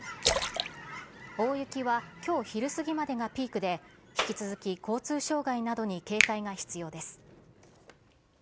大雪はきょう昼過ぎまでがピークで、引き続き交通障害などに警戒が必要です。